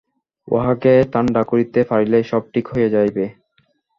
উহাকে ঠাণ্ডা করিতে পারিলেই সব ঠিক হইয়া যাইবে।